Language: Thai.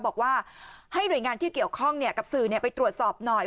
บอกว่าให้หน่วยงานที่เกี่ยวข้องกับสื่อไปตรวจสอบหน่อย